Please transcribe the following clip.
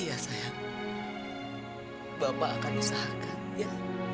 ya sayang bapak akan usahakan ya